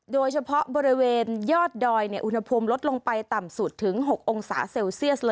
โดยเฉพาะบริเวณยอดดอยอุณหภูมิลดลงไปต่ำสุดถึง๖องศาเซลเซียส